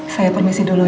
saya permisi dulu ya